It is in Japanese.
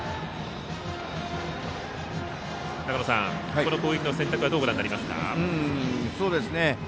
この攻撃の選択はどうご覧になりますか？